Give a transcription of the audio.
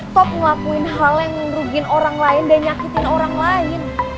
top ngelakuin hal yang rugin orang lain dan nyakitin orang lain